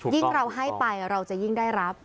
ยิ่งเราให้ไปเราจะได้รับ